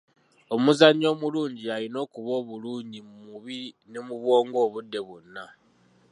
Omuzanyi omulungi yalina okuba obulungi mu mubiri ne mu bwongo obudde bwonna.